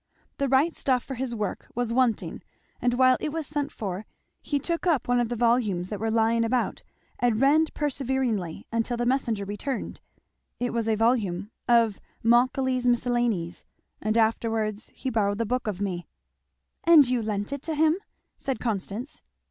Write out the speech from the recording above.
The right stuff for his work was wanting, and while it was sent for he took up one of the volumes that were lying about and read perseveringly until the messenger returned. It was a volume of Macaulay's Miscellanies; and afterwards he borrowed the book of me." "And you lent it to him?" said Constance.